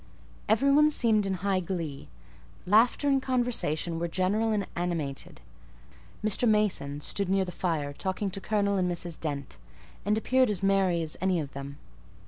Every one seemed in high glee; laughter and conversation were general and animated. Mr. Mason stood near the fire, talking to Colonel and Mrs. Dent, and appeared as merry as any of them.